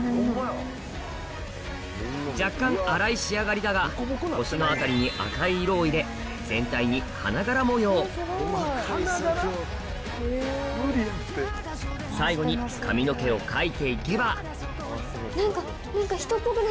若干粗い仕上がりだが腰の辺りに赤い色を入れ全体に花柄模様最後に髪の毛を描いて行けば何か。